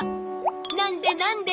なんでなんで？